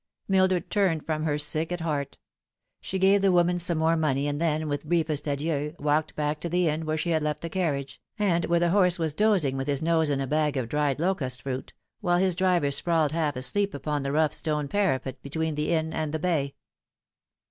Mildred turned from her sick at heart. She gave the woman some more money, and then, with briefest adieu, walked back to 240 The Fatal Thru. the inn where she had left the carriage, and where the horse was dozing with his nose in a bag of dried locust fruit, while his driver sprawled half asleep upon the rough stone parapet be tween the inn and the bay.